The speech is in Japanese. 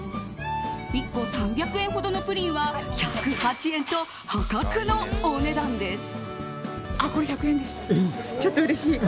１個３００円ほどのプリンは１０８円と、破格のお値段です。